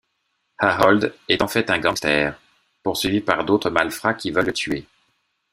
Harold est en fait un gangster, poursuivi par d'autres malfrats qui veulent le tuer.